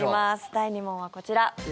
第２問はこちら。